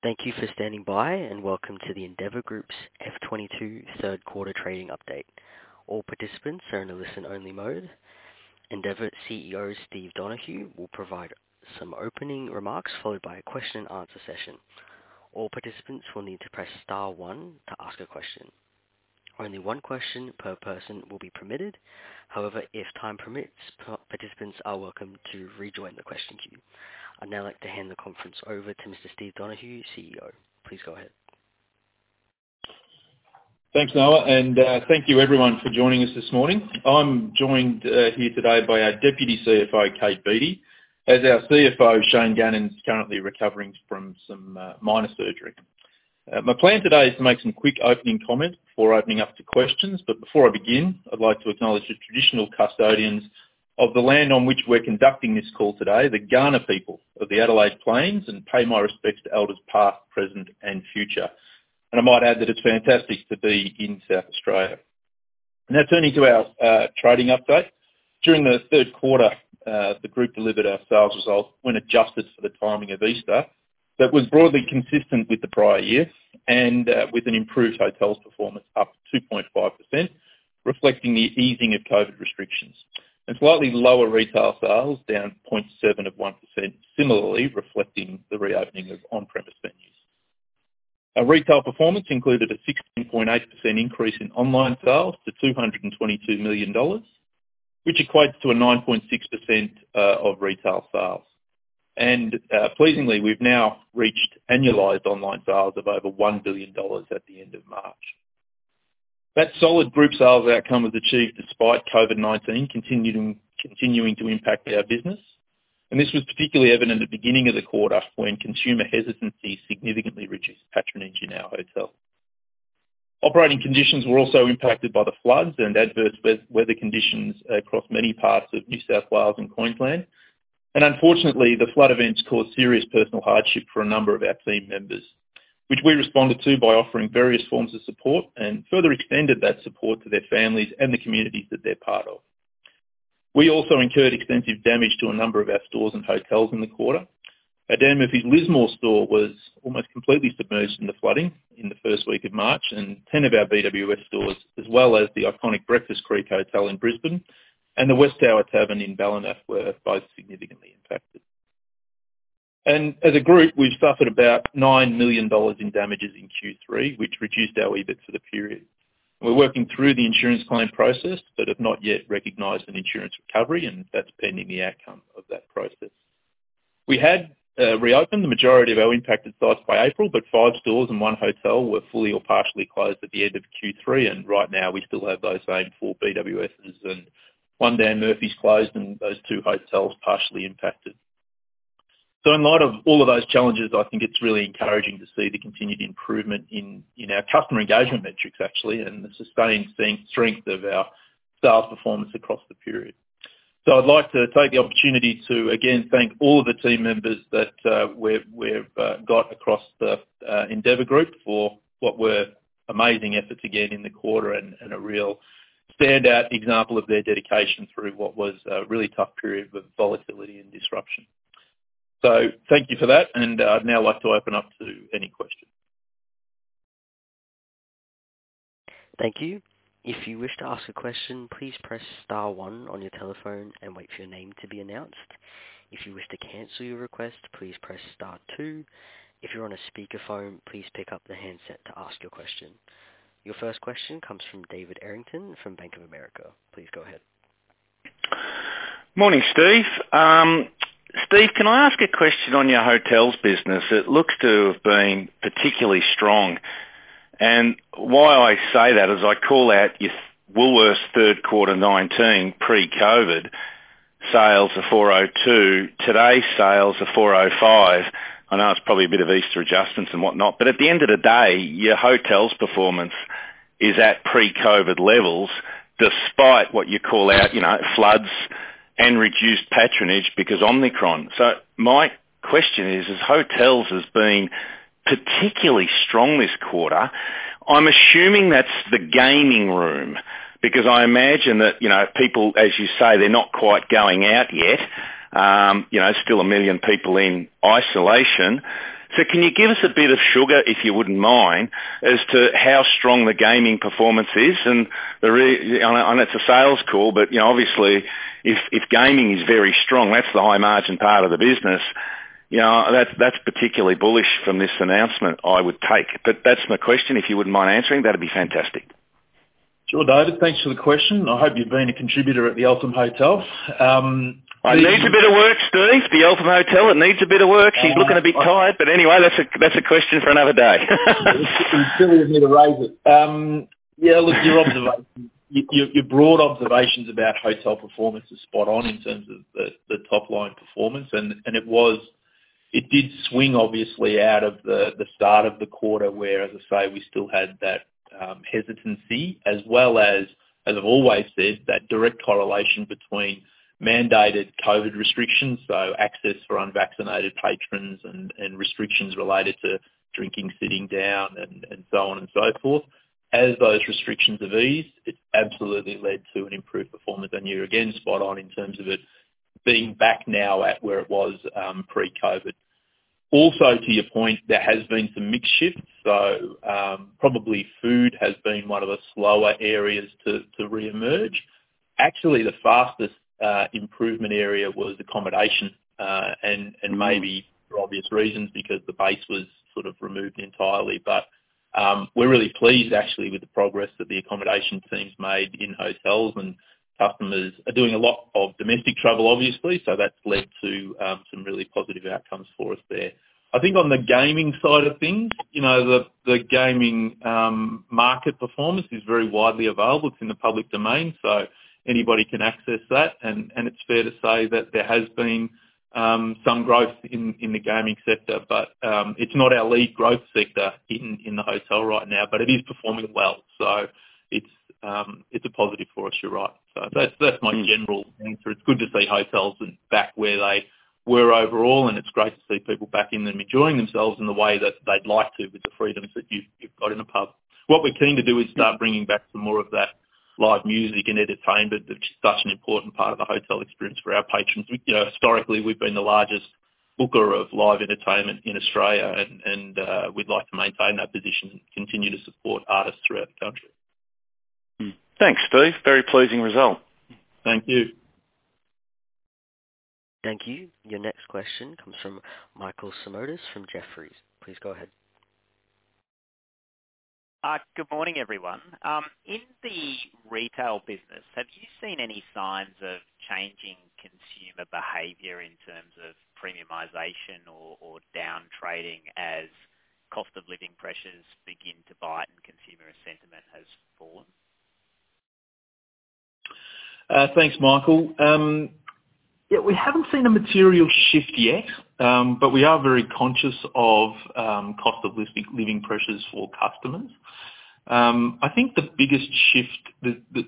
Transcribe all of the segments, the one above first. Thank you for standing by, and welcome to the Endeavour Group's FY 2022 third quarter trading update. All participants are in a listen-only mode. Endeavour CEO Steve Donohue will provide some opening remarks, followed by a question-and-answer session. All participants will need to press star one to ask a question. Only one question per person will be permitted. However, if time permits, participants are welcome to rejoin the question queue. I'd now like to hand the conference over to Mr. Steve Donohue, CEO. Please go ahead. Thanks, Noah, and thank you everyone for joining us this morning. I'm joined here today by our Deputy CFO, Kate Beattie, as our CFO, Shane Gannon, is currently recovering from some minor surgery. My plan today is to make some quick opening comment before opening up to questions, but before I begin, I'd like to acknowledge the traditional custodians of the land on which we're conducting this call today, the Kaurna people of the Adelaide Plains, and pay my respects to elders past, present, and future. I might add that it's fantastic to be in South Australia. Now turning to our trading update. During the third quarter, the group delivered our sales results when adjusted for the timing of Easter. That was broadly consistent with the prior year and with an improved hotels performance up 2.5%, reflecting the easing of COVID restrictions. Slightly lower retail sales, down 0.71%, similarly reflecting the reopening of on-premise venues. Our retail performance included a 16.8% increase in online sales to 222 million dollars, which equates to a 9.6% of retail sales. Pleasingly, we've now reached annualized online sales of over 1 billion dollars at the end of March. That solid group sales outcome was achieved despite COVID-19 continuing to impact our business, and this was particularly evident at the beginning of the quarter when consumer hesitancy significantly reduced patronage in our hotels. Operating conditions were also impacted by the floods and adverse weather conditions across many parts of New South Wales and Queensland. Unfortunately, the flood events caused serious personal hardship for a number of our team members, which we responded to by offering various forms of support and further extended that support to their families and the communities that they're part of. We also incurred extensive damage to a number of our stores and hotels in the quarter. Our Dan Murphy's Lismore store was almost completely submerged in the flooding in the first week of March, and 10 of our BWS stores, as well as the iconic Breakfast Creek Hotel in Brisbane and the Westower Tavern in Ballina were both significantly impacted. As a group, we've suffered about 9 million dollars in damages in Q3, which reduced our EBIT for the period. We're working through the insurance claim process, but have not yet recognized an insurance recovery, and that's pending the outcome of that process. We had reopened the majority of our impacted sites by April, but five stores and one hotel were fully or partially closed at the end of Q3, and right now we still have those same four BWSs and one Dan Murphy's closed and those two hotels partially impacted. In light of all of those challenges, I think it's really encouraging to see the continued improvement in our customer engagement metrics, actually, and the sustained strength of our sales performance across the period. I'd like to take the opportunity to again thank all of the team members that we've got across the Endeavour Group for what were amazing efforts again in the quarter and a real standout example of their dedication through what was a really tough period of volatility and disruption. Thank you for that, and I'd now like to open up to any questions. Your first question comes from David Errington from Bank of America. Please go ahead. Morning, Steve. Steve, can I ask a question on your hotels business? It looks to have been particularly strong. Why I say that is I call out your Woolworths third quarter 2019 pre-COVID sales are 402, today's sales are 405. I know it's probably a bit of Easter adjustments and whatnot, but at the end of the day, your hotels' performance is at pre-COVID levels despite what you call out, you know, floods and reduced patronage because Omicron. My question is, are hotels being particularly strong this quarter. I'm assuming that's the gaming room because I imagine that, you know, people, as you say, they're not quite going out yet. You know, still 1 million people in isolation. Can you give us a bit of sugar, if you wouldn't mind, as to how strong the gaming performance is. I know it's a sales call, but you know, obviously if gaming is very strong, that's the high margin part of the business. You know, that's particularly bullish from this announcement, I would take. That's my question. If you wouldn't mind answering, that'd be fantastic. Sure, David. Thanks for the question. I hope you've been a contributor at the Eltham Hotel. It needs a bit of work, Steve, the Eltham Hotel, it needs a bit of work. She's looking a bit tired, but anyway, that's a question for another day. You challenged me to raise it. Yeah, look, your observations, your broad observations about hotel performance is spot on in terms of the top line performance. It did swing obviously out of the start of the quarter where, as I say, we still had that hesitancy as well as I've always said, that direct correlation between mandated COVID restrictions, so access for unvaccinated patrons and restrictions related to drinking, sitting down, and so on and so forth. As those restrictions have eased, it's absolutely led to an improved performance. You're again spot on in terms of it being back now at where it was pre-COVID. Also to your point, there has been some mix shift. Probably food has been one of the slower areas to reemerge. Actually, the fastest improvement area was accommodation, and maybe for obvious reasons, because the base was sort of removed entirely. We're really pleased actually with the progress that the accommodation team's made in hotels, and customers are doing a lot of domestic travel obviously. That's led to some really positive outcomes for us there. I think on the gaming side of things, you know, the gaming market performance is very widely available. It's in the public domain, so anybody can access that. It's fair to say that there has been some growth in the gaming sector. It's not our lead growth sector in the hotel right now, but it is performing well. It's a positive for us. You're right. That's my general answer. It's good to see hotels back where they were overall, and it's great to see people back in them, enjoying themselves in the way that they'd like to with the freedoms that you've got in a pub. What we're keen to do is start bringing back some more of that live music and entertainment that's such an important part of the hotel experience for our patrons. You know, historically, we've been the largest booker of live entertainment in Australia and we'd like to maintain that position and continue to support artists throughout the country. Thanks, Steve. Very pleasing result. Thank you. Thank you. Your next question comes from Michael Simotas from Jefferies. Please go ahead. Good morning, everyone. In the retail business, have you seen any signs of changing consumer behavior in terms of premiumization or down trading as cost of living pressures begin to bite and consumer sentiment has fallen? Thanks, Michael. Yeah, we haven't seen a material shift yet, but we are very conscious of cost of living pressures for customers. I think the biggest shift, the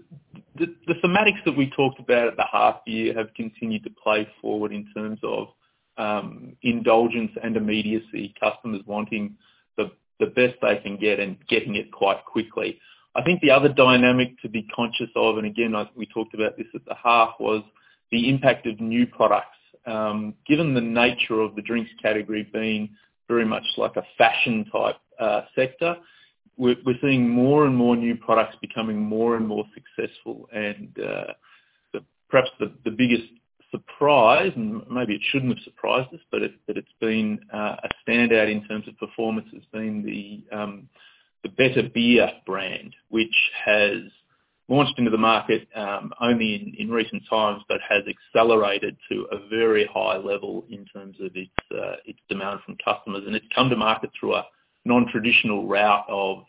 thematics that we talked about at the half year have continued to play forward in terms of indulgence and immediacy. Customers wanting the best they can get and getting it quite quickly. I think the other dynamic to be conscious of, and again, like we talked about this at the half, was the impact of new products. Given the nature of the drinks category being very much like a fashion type sector, we're seeing more and more new products becoming more and more successful. Perhaps the biggest surprise, and maybe it shouldn't have surprised us, but it's been a standout in terms of performance has been the Better Beer brand, which has launched into the market only in recent times. It has accelerated to a very high level in terms of its demand from customers. It's come to market through a non-traditional route of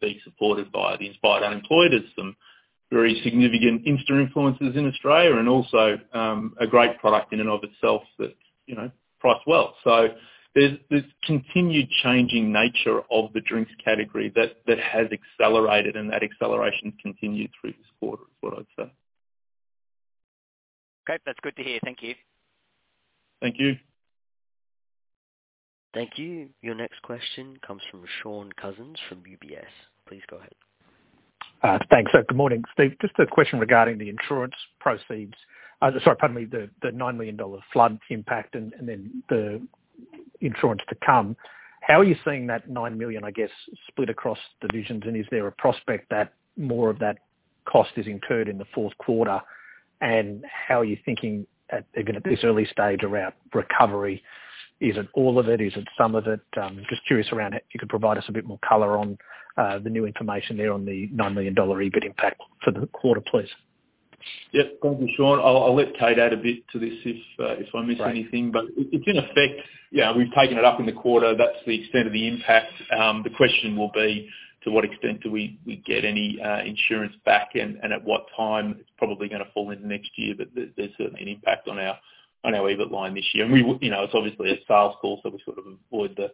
being supported by The Inspired Unemployed as some very significant Insta influencers in Australia and also a great product in and of itself that, you know, priced well. There's continued changing nature of the drinks category that has accelerated and that acceleration continued through this quarter, is what I'd say. Great. That's good to hear. Thank you. Thank you. Thank you. Your next question comes from Shaun Cousins from UBS. Please go ahead. Thanks. Good morning, Steve. Just a question regarding the insurance proceeds. Sorry, pardon me. The 9 million dollar flood impact and then the insurance to come. How are you seeing that 9 million, I guess, split across divisions? Is there a prospect that more of that cost is incurred in the fourth quarter? How are you thinking, again, at this early stage around recovery? Is it all of it? Is it some of it? Just curious around it. If you could provide us a bit more color on the new information there on the 9 million dollar EBIT impact for the quarter, please. Yep. Thank you, Shaun. I'll let Kate add a bit to this if I miss anything. Great. It's in effect. Yeah, we've taken it up in the quarter. That's the extent of the impact. The question will be to what extent do we get any insurance back and at what time? It's probably gonna fall into next year, but there's certainly an impact on our EBIT line this year. You know, it's obviously a sales call, so we sort of avoid the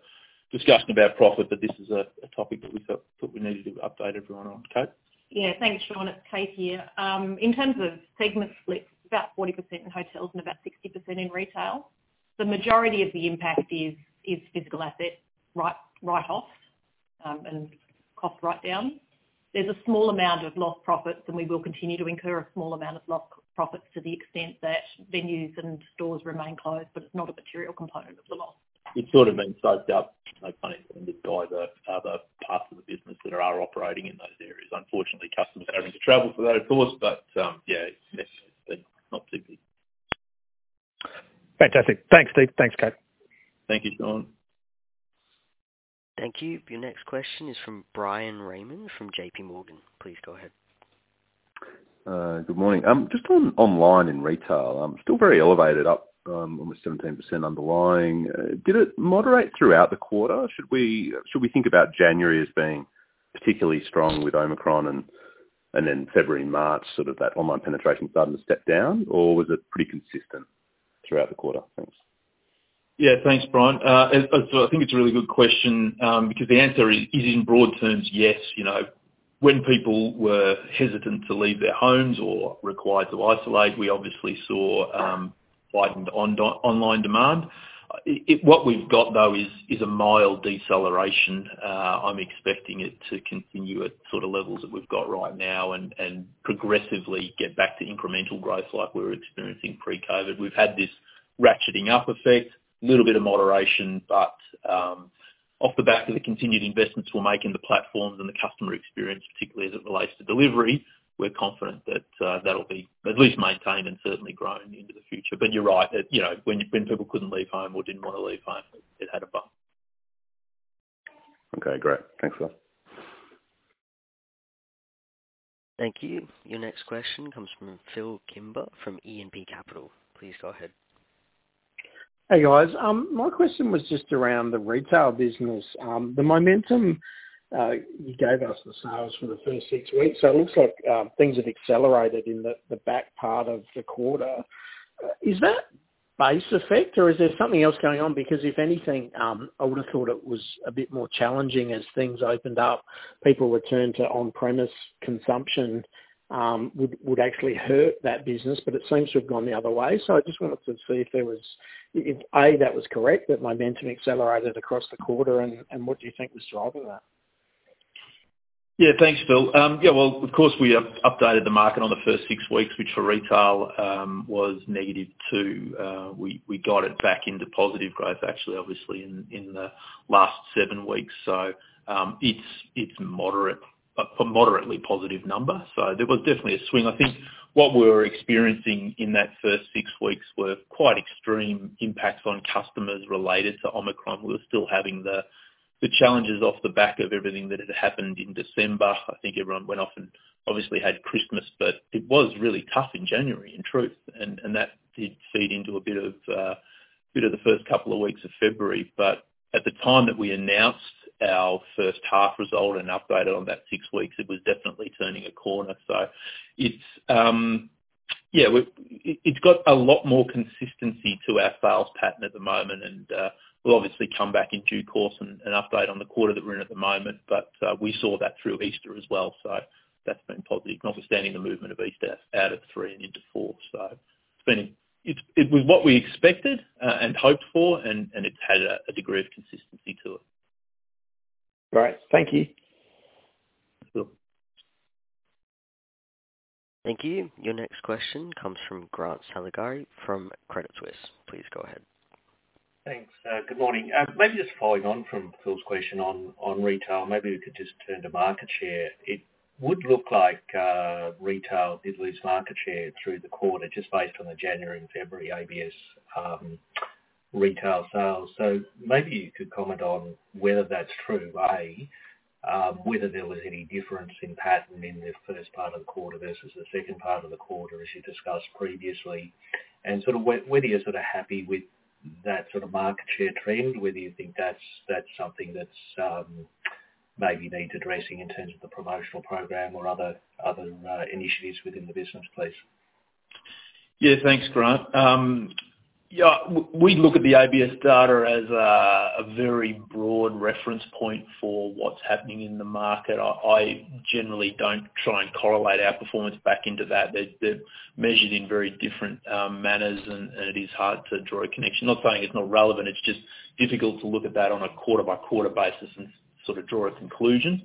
discussion about profit. This is a topic that we felt that we needed to update everyone on. Kate? Yeah. Thanks, Shaun. It's Kate here. In terms of segment splits, about 40% in hotels and about 60% in retail. The majority of the impact is physical assets write-offs and cost write-down. There's a small amount of lost profits, and we will continue to incur a small amount of lost profits to the extent that venues and stores remain closed, but it's not a material component of the loss. It's sort of been soaked up, no pun intended, by the other parts of the business that are operating in those areas. Unfortunately, customers are having to travel for those, of course, but yeah, it's necessary, but not too big. Fantastic. Thanks, Steve. Thanks, Kate. Thank you, Shaun. Thank you. Your next question is from Bryan Raymond from JPMorgan. Please go ahead. Good morning. Just on online in retail, still very elevated, up almost 17% underlying. Did it moderate throughout the quarter? Should we think about January as being particularly strong with Omicron and then February and March, sort of that online penetration starting to step down? Or was it pretty consistent throughout the quarter? Thanks. Yeah. Thanks, Bryan. I think it's a really good question because the answer is in broad terms, yes. You know, when people were hesitant to leave their homes or required to isolate, we obviously saw heightened online demand. What we've got, though, is a mild deceleration. I'm expecting it to continue at sort of levels that we've got right now and progressively get back to incremental growth like we were experiencing pre-COVID. We've had this ratcheting up effect, little bit of moderation. Off the back of the continued investments we'll make in the platforms and the customer experience, particularly as it relates to delivery, we're confident that that'll be at least maintained and certainly growing into the future. You're right, you know, when people couldn't leave home or didn't wanna leave home, it had a bump. Okay, great. Thanks, Steve. Thank you. Your next question comes from Phillip Kimber from E&P Capital. Please go ahead. Hey, guys. My question was just around the retail business. The momentum, you gave us the sales for the first six weeks, so it looks like things have accelerated in the back part of the quarter. Is that base effect or is there something else going on? Because if anything, I would've thought it was a bit more challenging as things opened up, people returned to on-premise consumption, would actually hurt that business, but it seems to have gone the other way. So I just wanted to see if A, that was correct, that momentum accelerated across the quarter, and what do you think was driving that? Yeah, thanks, Phillip. Yeah, well, of course, we updated the market on the first six weeks, which for retail was negative two. We got it back into positive growth actually, obviously in the last seven weeks. It's a moderately positive number. There was definitely a swing. I think what we were experiencing in that first six weeks were quite extreme impacts on customers related to Omicron. We were still having the challenges off the back of everything that had happened in December. I think everyone went off and obviously had Christmas, but it was really tough in January, in truth, and that did feed into a bit of the first couple of weeks of February. At the time that we announced our first half result and updated on that six weeks, it was definitely turning a corner. It's got a lot more consistency to our sales pattern at the moment. We'll obviously come back in due course and update on the quarter that we're in at the moment. We saw that through Easter as well, so that's been positive, notwithstanding the movement of Easter out of three and into four. It's been what we expected and hoped for, and it's had a degree of consistency to it. Great. Thank you. Sure. Thank you. Your next question comes from Grant Saligari from Credit Suisse. Please go ahead. Thanks. Good morning. Maybe just following on from Phil's question on retail, maybe we could just turn to market share. It would look like retail did lose market share through the quarter just based on the January and February ABS retail sales. Maybe you could comment on whether that's true, whether there was any difference in pattern in the first part of the quarter versus the second part of the quarter as you discussed previously, and sort of whether you're sort of happy with that sort of market share trend, whether you think that's something that's maybe needs addressing in terms of the promotional program or other initiatives within the business, please. Yeah, thanks, Grant. We look at the ABS data as a very broad reference point for what's happening in the market. I generally don't try and correlate our performance back into that. They're measured in very different manners and it is hard to draw a connection. Not saying it's not relevant, it's just difficult to look at that on a quarter-by-quarter basis and sort of draw a conclusion.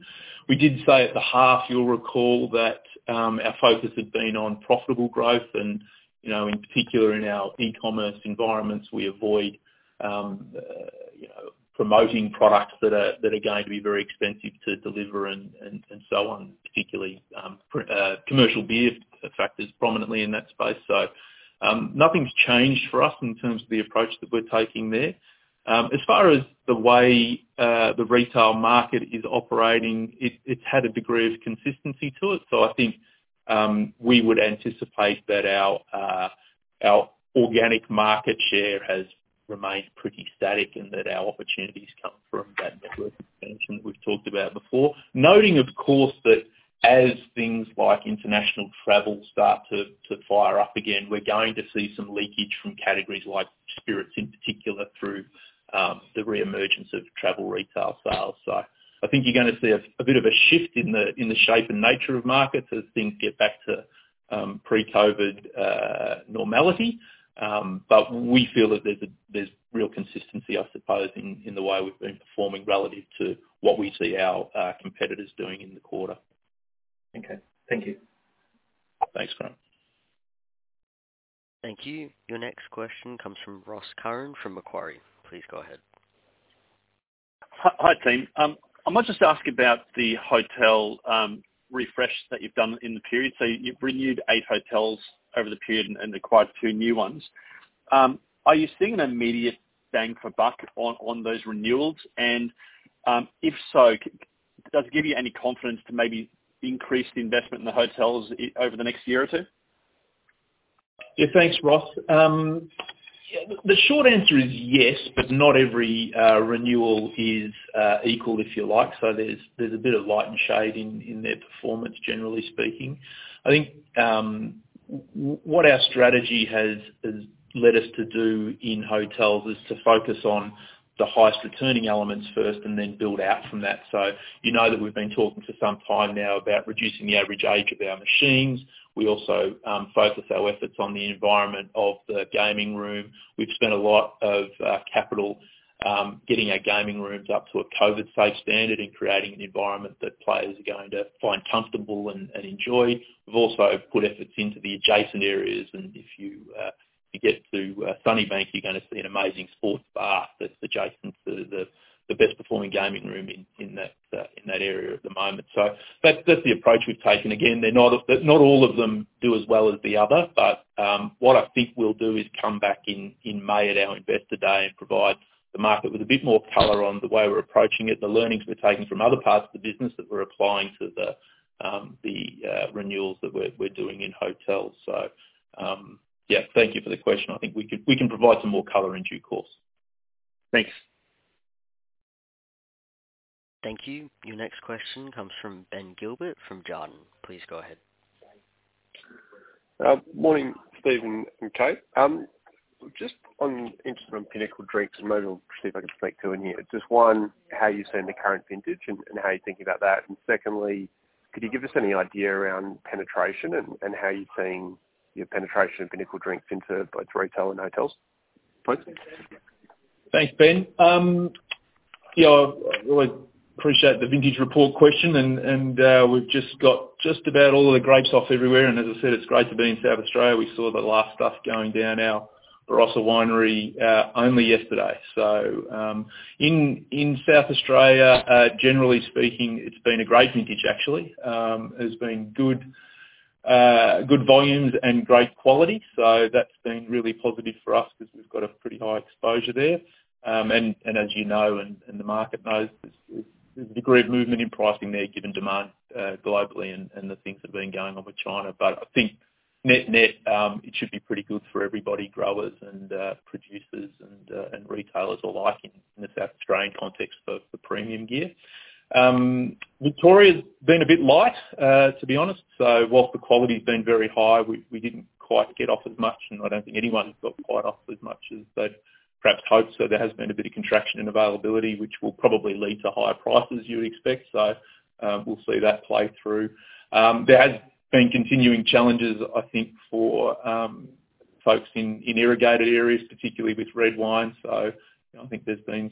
We did say at the half, you'll recall, that our focus had been on profitable growth and, you know, in particular in our e-commerce environments, we avoid you know promoting products that are going to be very expensive to deliver and so on, particularly commercial beer factors prominently in that space. Nothing's changed for us in terms of the approach that we're taking there. As far as the way the retail market is operating, it's had a degree of consistency to it. I think we would anticipate that our organic market share has remained pretty static and that our opportunities come from that network expansion that we've talked about before. Noting of course, that as things like international travel start to fire up again, we're going to see some leakage from categories like spirits in particular through the reemergence of travel retail sales. I think you're gonna see a bit of a shift in the shape and nature of markets as things get back to pre-COVID normality. We feel that there's real consistency, I suppose, in the way we've been performing relative to what we see our competitors doing in the quarter. Okay. Thank you. Thanks, Grant. Thank you. Your next question comes from Ross Curran from Macquarie. Please go ahead. Hi, team. I might just ask about the hotel refresh that you've done in the period. You've renewed eight hotels over the period and acquired two new ones. Are you seeing an immediate bang for buck on those renewals? If so, does it give you any confidence to maybe increase the investment in the hotels over the next year or two? Yeah. Thanks, Ross. The short answer is yes, but not every renewal is equal, if you like. There's a bit of light and shade in their performance generally speaking. I think what our strategy has led us to do in hotels is to focus on the highest returning elements first and then build out from that. You know that we've been talking for some time now about reducing the average age of our machines. We also focus our efforts on the environment of the gaming room. We've spent a lot of capital getting our gaming rooms up to a COVID-safe standard and creating an environment that players are going to find comfortable and enjoy. We've also put efforts into the adjacent areas, and if you get to Sunnybank, you're gonna see an amazing sports bar that's adjacent to the best performing gaming room in that area at the moment. That's the approach we've taken. Again, not all of them do as well as the other. What I think we'll do is come back in May at our Investor Day and provide the market with a bit more color on the way we're approaching it, the learnings we're taking from other parts of the business that we're applying to the renewals that we're doing in hotels. Yeah, thank you for the question. I think we can provide some more color in due course. Thanks. Thank you. Your next question comes from Ben Gilbert from Jarden. Please go ahead. Morning, Steve and Kate. Just on interest from Pinnacle Drinks, and maybe I'll see if I can speak to in here. Just one, how are you seeing the current vintage and how are you thinking about that? Secondly, could you give us any idea around penetration and how you're seeing your penetration of Pinnacle Drinks into both retail and hotels? Please. Thanks, Ben. Yeah, I really appreciate the vintage report question and we've just got just about all of the grapes off everywhere, and as I said, it's great to be in South Australia. We saw the last stuff going down our Barossa Winery only yesterday. In South Australia, generally speaking, it's been a great vintage actually. It has been good volumes and great quality, so that's been really positive for us 'cause we've got a pretty high exposure there. And as you know, and the market knows, there's a degree of movement in pricing there, given demand globally and the things that have been going on with China. I think net-net, it should be pretty good for everybody, growers and producers and retailers alike in the South Australian context for the premium gear. Victoria's been a bit light, to be honest. Whilst the quality's been very high, we didn't quite get off as much, and I don't think anyone's got quite off as much as they'd perhaps hoped. There has been a bit of contraction and availability, which will probably lead to higher prices, you would expect. We'll see that play through. There has been continuing challenges, I think, for folks in irrigated areas, particularly with red wine. You know, I think there's been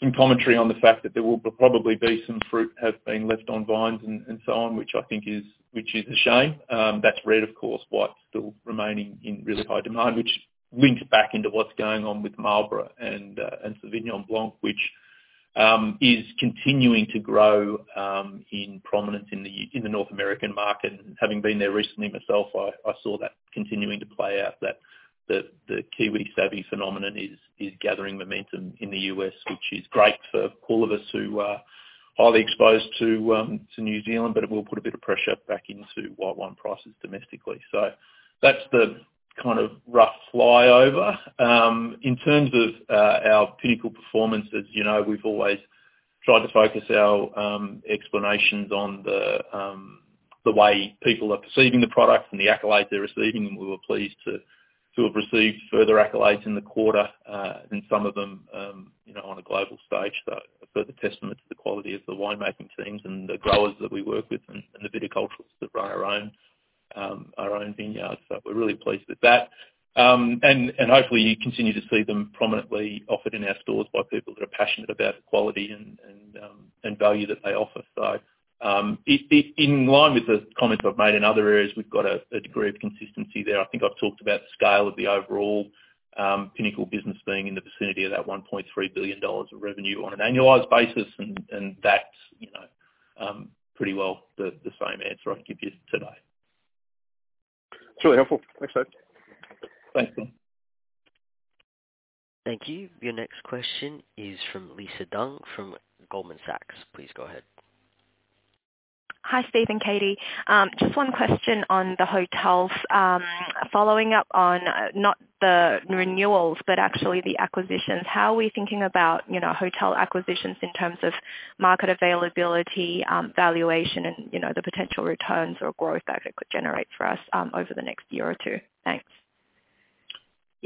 some commentary on the fact that there will probably be some fruit has been left on vines and so on, which I think is a shame. That's red, of course, white still remaining in really high demand, which links back into what's going on with Marlborough and Sauvignon Blanc, which is continuing to grow in prominence in the North American market. Having been there recently myself, I saw that continuing to play out, that the Kiwi Sauvignon phenomenon is gathering momentum in the U.S., which is great for all of us who are highly exposed to New Zealand, but it will put a bit of pressure back into white wine prices domestically. That's the kind of rough flyover. In terms of our Pinnacle performances, you know, we've always tried to focus our explanations on the way people are perceiving the products and the accolades they're receiving, and we were pleased to have received further accolades in the quarter, and some of them, you know, on a global stage. A further testament to the quality of the winemaking teams and the growers that we work with and the viticulturists that run our own vineyards. We're really pleased with that. Hopefully you continue to see them prominently offered in our stores by people that are passionate about the quality and value that they offer. In line with the comments I've made in other areas, we've got a degree of consistency there. I think I've talked about the scale of the overall Pinnacle business being in the vicinity of 1.3 billion dollars of revenue on an annualized basis, and that's, you know, pretty well the same answer I can give you today. It's really helpful. Thanks, Steve. Thanks. Thank you. Your next question is from Lisa Deng from Goldman Sachs. Please go ahead. Hi, Steve and Kate. Just one question on the hotels. Following up on, not the renewals, but actually the acquisitions. How are we thinking about, you know, hotel acquisitions in terms of market availability, valuation and, you know, the potential returns or growth that it could generate for us, over the next year or two? Thanks.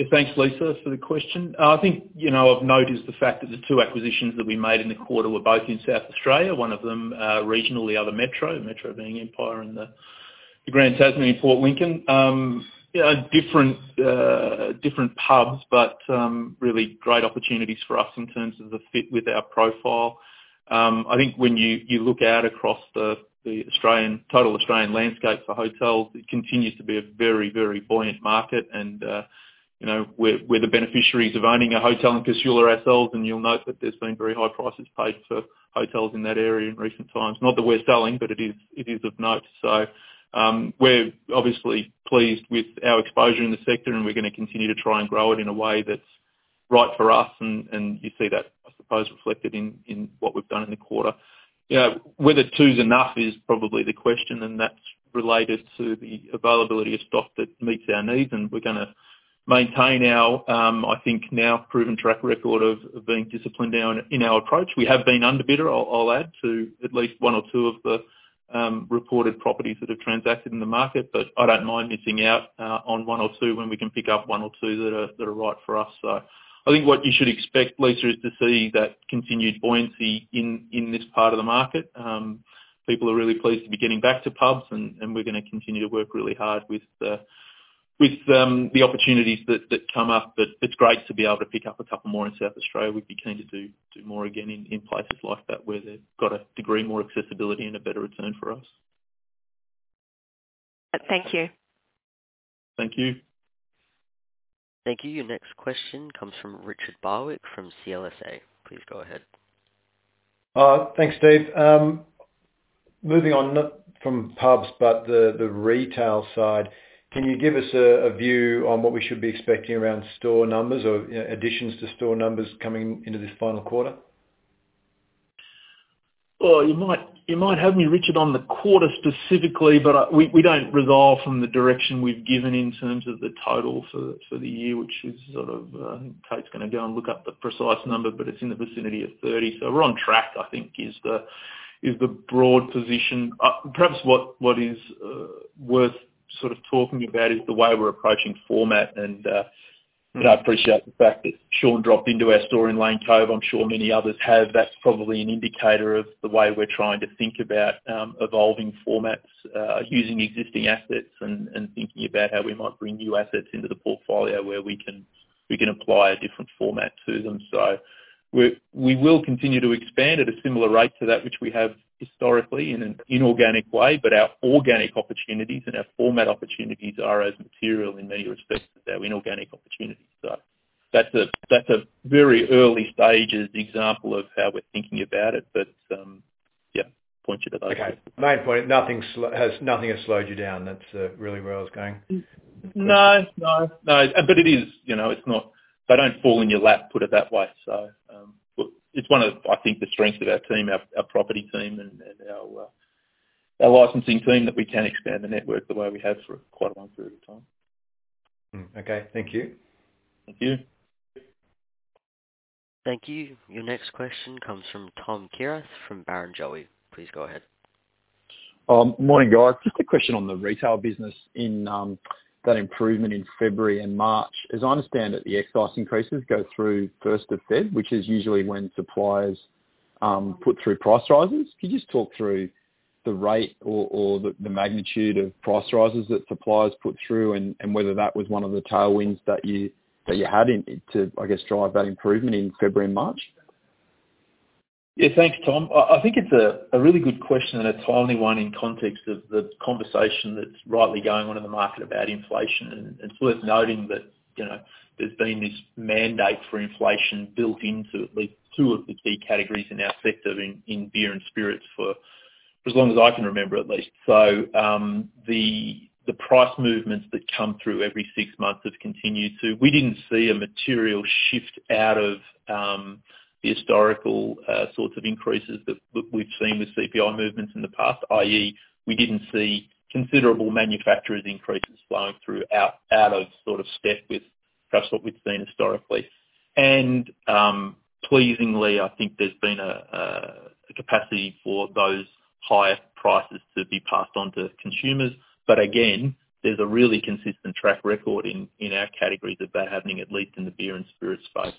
Yeah. Thanks, Lisa, for the question. I think, you know, of note is the fact that the two acquisitions that we made in the quarter were both in South Australia, one of them regional, the other metro being Empire and the Grand Tasman in Port Lincoln. You know, different pubs, but really great opportunities for us in terms of the fit with our profile. I think when you look out across the Australian, total Australian landscape for hotels, it continues to be a very buoyant market and you know, we're the beneficiaries of owning a hotel in Casula ourselves, and you'll note that there's been very high prices paid for hotels in that area in recent times. Not that we're selling, but it is of note. We're obviously pleased with our exposure in the sector, and we're gonna continue to try and grow it in a way that's right for us, and you see that, I suppose, reflected in what we've done in the quarter. You know, whether two's enough is probably the question, and that's related to the availability of stock that meets our needs, and we're gonna maintain our, I think now proven track record of being disciplined in our approach. We have been under bidder. I'll add to at least one or two of the reported properties that have transacted in the market. I don't mind missing out on one or two when we can pick up one or two that are right for us. I think what you should expect, Lisa, is to see that continued buoyancy in this part of the market. People are really pleased to be getting back to pubs and we're gonna continue to work really hard with the opportunities that come up. It's great to be able to pick up a couple more in South Australia. We'd be keen to do more again in places like that, where they've got a degree more accessibility and a better return for us. Thank you. Thank you. Thank you. Your next question comes from Richard Barwick from CLSA. Please go ahead. Thanks, Steve. Moving on, not from pubs, but the retail side. Can you give us a view on what we should be expecting around store numbers or, you know, additions to store numbers coming into this final quarter? Well, you might have me, Richard, on the quarter specifically, but we don't resile from the direction we've given in terms of the total for the year, which is sort of Kate's gonna go and look up the precise number, but it's in the vicinity of 30. We're on track, I think, is the broad position. Perhaps what is worth sort of talking about is the way we're approaching format and you know, I appreciate the fact that Shaun dropped into our store in Lane Cove. I'm sure many others have. That's probably an indicator of the way we're trying to think about evolving formats, using existing assets and thinking about how we might bring new assets into the portfolio where we can apply a different format to them. We will continue to expand at a similar rate to that which we have historically in an inorganic way, but our organic opportunities and our format opportunities are as material in many respects as our inorganic opportunities. That's a very early stages example of how we're thinking about it. Okay. Main point, nothing has slowed you down. That's really where I was going. No, no. It is, you know, it's not. They don't fall in your lap, put it that way. It's one of, I think, the strengths of our team, our property team and our licensing team, that we can expand the network the way we have for quite a long period of time. Okay. Thank you. Thank you. Thank you. Your next question comes from Tom Kierath from Barrenjoey. Please go ahead. Morning, guys. Just a question on the retail business in that improvement in February and March. As I understand it, the excise increases go through first of February, which is usually when suppliers put through price rises. Could you just talk through the rate or the magnitude of price rises that suppliers put through and whether that was one of the tailwinds that you had into, I guess, drive that improvement in February and March? Yeah. Thanks, Tom. I think it's a really good question, and it's only one in context of the conversation that's rightly going on in the market about inflation. It's worth noting that, you know, there's been this mandate for inflation built into at least two of the key categories in our sector in beer and spirits for as long as I can remember, at least. The price movements that come through every six months have continued. We didn't see a material shift out of the historical sorts of increases that we've seen with CPI movements in the past, i.e., we didn't see considerable manufacturers' increases flowing through out of sort of step with perhaps what we've seen historically. Pleasingly, I think there's been a capacity for those higher prices to be passed on to consumers. Again, there's a really consistent track record in our categories of that happening, at least in the beer and spirits space.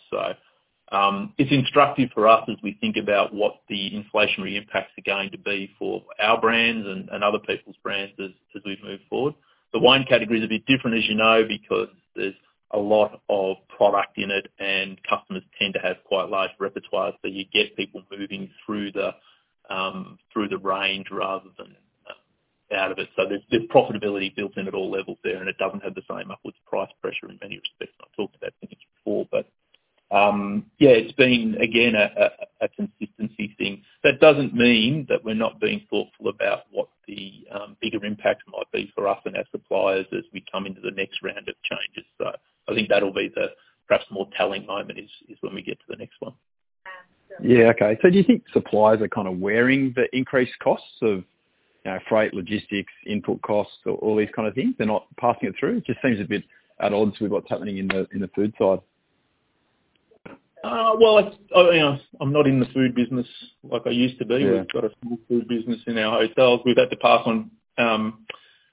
It's instructive for us as we think about what the inflationary impacts are going to be for our brands and other people's brands as we move forward. The wine category is a bit different, as you know, because there's a lot of product in it, and customers tend to have quite large repertoires. You get people moving through the range rather than out of it. There's profitability built in at all levels there, and it doesn't have the same upward price pressure in many respects, and I've talked about things before. Yeah, it's been, again, a consistency thing. That doesn't mean that we're not being thoughtful about what the bigger impact might be for us and our suppliers as we come into the next round of changes. I think that'll be the perhaps more telling moment is when we get to the next one. Yeah. Okay. Do you think suppliers are kind of wearing the increased costs of, you know, freight, logistics, input costs, all these kind of things? They're not passing it through? It just seems a bit at odds with what's happening in the food side. Well, you know, I'm not in the food business like I used to be. Yeah. We've got a small food business in our hotels. We've had to pass on,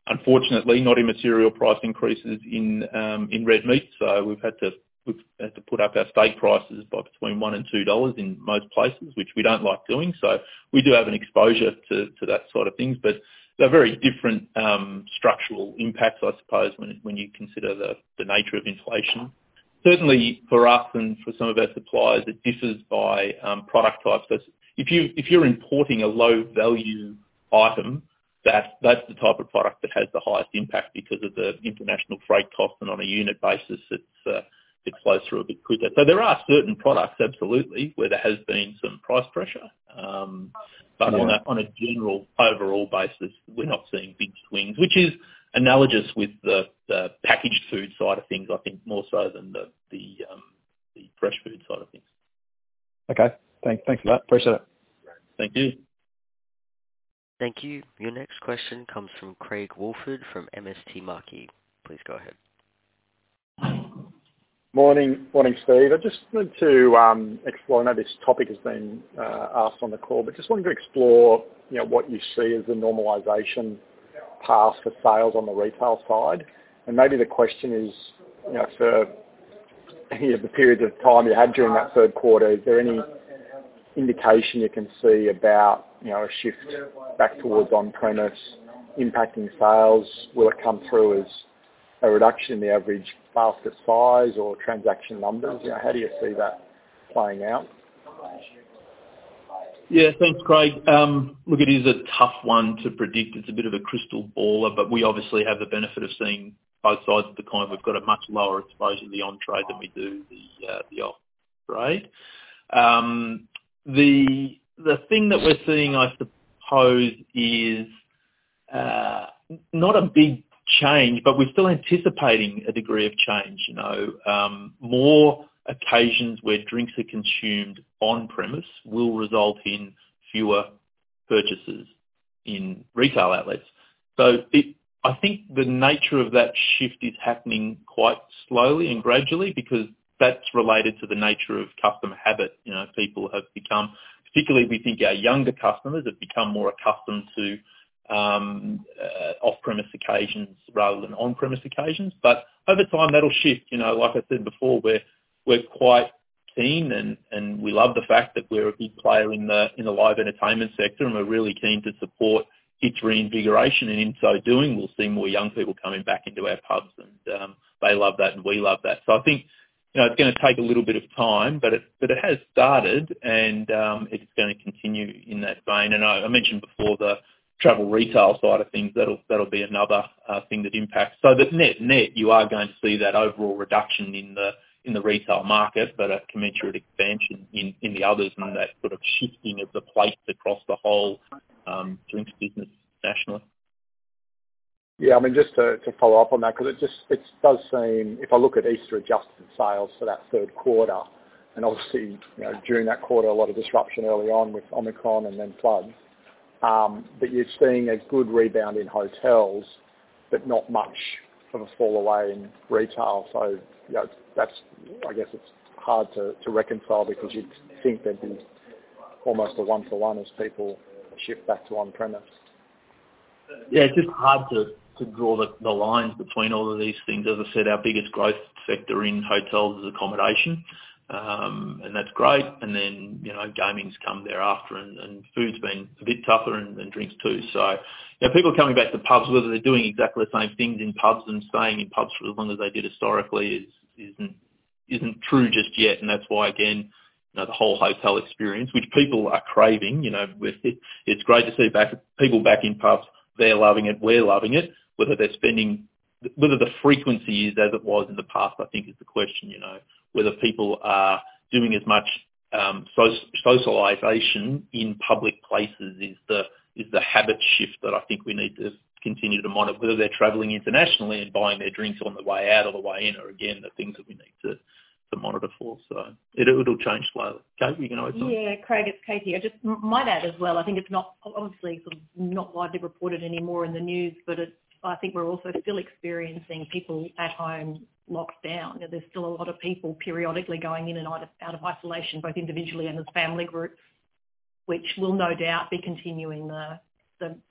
unfortunately, not immaterial price increases in red meat. We've had to put up our steak prices by 1-2 dollars in most places, which we don't like doing. We do have an exposure to that sort of things. They're very different structural impacts, I suppose, when you consider the nature of inflation. Certainly for us and for some of our suppliers, it differs by product type. If you're importing a low value item, that's the type of product that has the highest impact because of the international freight cost, and on a unit basis, it flows through a bit quicker. There are certain products, absolutely, where there has been some price pressure. Um. Right. On a general overall basis, we're not seeing big swings, which is analogous with the packaged food side of things, I think more so than the fresh food side of things. Okay. Thanks for that. Appreciate it. Thank you. Thank you. Your next question comes from Craig Woolford from MST Marquee. Please go ahead. Morning, Steve. I just want to explore. I know this topic has been asked on the call, but just wanted to explore, you know, what you see as the normalization path for sales on the retail side. Maybe the question is, you know, for, you know, the periods of time you had during that third quarter, is there any indication you can see about, you know, a shift back towards on-premise impacting sales? Will it come through as a reduction in the average basket size or transaction numbers? You know, how do you see that playing out? Yeah. Thanks, Craig. Look, it is a tough one to predict. It's a bit of a crystal ball, but we obviously have the benefit of seeing both sides of the coin. We've got a much lower exposure to the on-trade than we do the off-trade. The thing that we're seeing, I suppose, is not a big change, but we're still anticipating a degree of change, you know. More occasions where drinks are consumed on premise will result in fewer purchases in retail outlets. I think the nature of that shift is happening quite slowly and gradually because that's related to the nature of customer habit. You know, people have become. Particularly, we think our younger customers have become more accustomed to off-premise occasions rather than on-premise occasions. But over time, that'll shift. You know, like I said before, we're quite keen and we love the fact that we're a big player in the live entertainment sector, and we're really keen to support its reinvigoration. In so doing, we'll see more young people coming back into our pubs. They love that, and we love that. I think, you know, it's gonna take a little bit of time, but it has started and it's gonna continue in that vein. I mentioned before the travel retail side of things. That'll be another thing that impacts. The net-net, you are going to see that overall reduction in the retail market, but a commensurate expansion in the others and that sort of shifting of the plate across the whole drinks business nationally. I mean, just to follow up on that, because it does seem if I look at Easter adjusted sales for that third quarter, and obviously you know during that quarter a lot of disruption early on with Omicron and then floods. But you're seeing a good rebound in hotels, but not much of a fall away in retail. You know that's I guess it's hard to reconcile because you'd think there'd be almost a one for one as people shift back to on-premise. Yeah. It's just hard to draw the lines between all of these things. As I said, our biggest growth sector in hotels is accommodation, and that's great. Then, you know, gaming's come thereafter and food's been a bit tougher and drinks too. You know, people coming back to pubs, whether they're doing exactly the same things in pubs and staying in pubs for as long as they did historically isn't true just yet. That's why, again, you know, the whole hotel experience, which people are craving, you know. It's great to see people back in pubs. They're loving it. We're loving it. Whether they're spending, whether the frequency is as it was in the past, I think is the question, you know. Whether people are doing as much socialization in public places is the habit shift that I think we need to continue to monitor. Whether they're traveling internationally and buying their drinks on the way out or the way in are again the things that we need to monitor for. It'll change slowly. Katie, you wanna add something? Yeah. Craig, it's Kate. I just might add as well, I think it's not, obviously, sort of, not widely reported anymore in the news, but, I think we're also still experiencing people at home locked down. You know, there's still a lot of people periodically going in and out of isolation, both individually and as family groups, which will no doubt be continuing the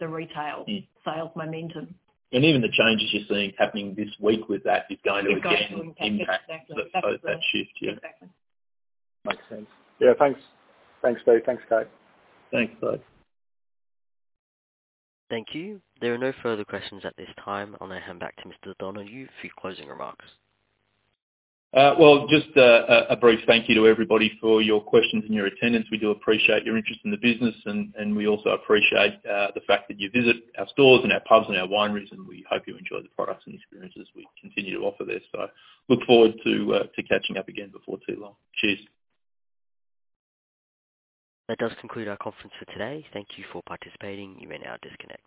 retail. Mm. Sales momentum. Even the changes you're seeing happening this week with that is going to, again, impact. Exactly. That, both that shift. Yeah. Exactly. Makes sense. Yeah, thanks. Thanks, Steve. Thanks, Kate. Thanks, guys. Thank you. There are no further questions at this time. I'll now hand back to Mr. Donohue, for your closing remarks. Well, just a brief thank you to everybody for your questions and your attendance. We do appreciate your interest in the business and we also appreciate the fact that you visit our stores and our pubs and our wineries, and we hope you enjoy the products and experiences we continue to offer there. Look forward to catching up again before too long. Cheers. That does conclude our conference for today. Thank you for participating. You may now disconnect.